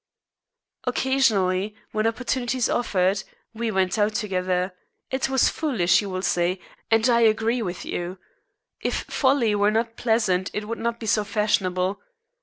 Occasionally, when opportunities offered, we went out together. It was foolish, you will say, and I agree with you. If folly were not pleasant it would not be so fashionable.